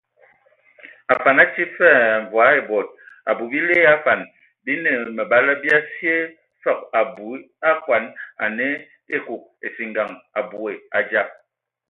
Afan atii fəg ai mvɔi bod, abui, bile ya afan bi nə məbala bia sye fəg abui akɔn anə ekug, esingan aboe adzab.